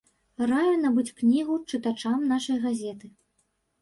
Раю набыць кнігу чытачам нашай газеты.